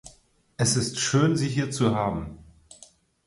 Es ist schön, sie hier zu haben.